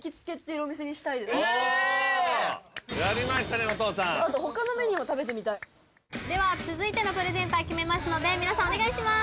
お父さんあと他のメニューも食べてみたいでは続いてのプレゼンター決めますので皆さんお願いします